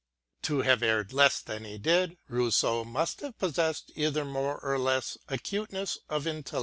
To have erred less than he did, Rousseau must have possessed either more or less acutencss of intel 6 l LBOTOSH V.